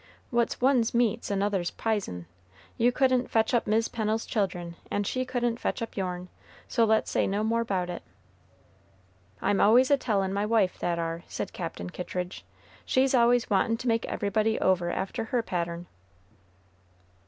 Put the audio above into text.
'What's one's meat's another's pison.' You couldn't fetch up Mis' Pennel's children, and she couldn't fetch up your'n, so let's say no more 'bout it." "I'm always a tellin' my wife that ar," said Captain Kittridge; "she's always wantin' to make everybody over after her pattern."